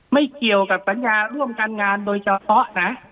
ไม่เกี่ยวกับสัญญาร่วมการงานโดยเฉพาะนะ